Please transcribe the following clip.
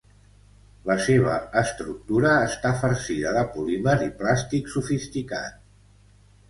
La seva estructura està farcida de polímer i plàstic sofisticat.